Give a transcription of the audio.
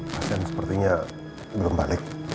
pasien sepertinya belum balik